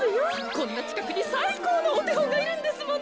こんなちかくにさいこうのおてほんがいるんですもの。